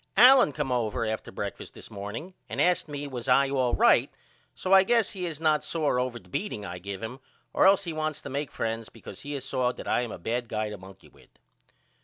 Allen come over after breakfast this morning and asked me was I all right so I guess he is not sore over the beating I give him or else he wants to make friends because he has saw that I am a bad guy to monkey with.